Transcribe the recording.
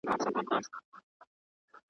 نه مي ډلي دي لیدلي دي د کارګانو .